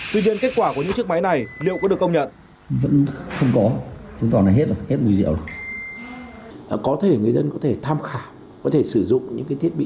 tuy nhiên kết quả của những chiếc máy này liệu có được công nhận